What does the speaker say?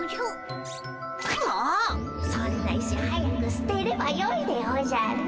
そんな石早くすてればよいでおじゃる。